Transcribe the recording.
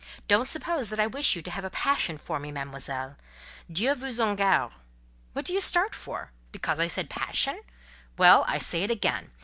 Don't suppose that I wish you to have a passion for me, Mademoiselle; Dieu vous en garde! What do you start for? Because I said passion? Well, I say it again.